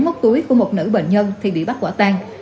móc túi của một nữ bệnh nhân thì bị bắt quả tang